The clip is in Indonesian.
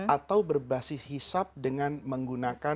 atau berbasis hisap dengan menggunakan